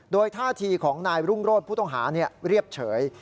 โดยท่าทีของนายรุ่งโรธผู้ต้องหาเรียบเฉย